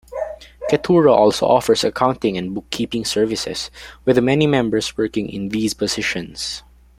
Ketura also offers accounting and bookkeeping services, with many members working in these positions.